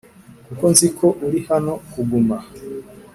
kuko nzi ko uri hano kuguma